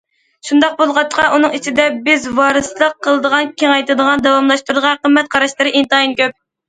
شۇنداق بولغاچقا، ئۇنىڭ ئىچىدە بىز ۋارىسلىق قىلىدىغان، كېڭەيتىدىغان، داۋاملاشتۇرىدىغان قىممەت قاراشلىرى ئىنتايىن كۆپ.